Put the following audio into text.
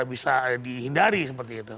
bisa dihindari seperti itu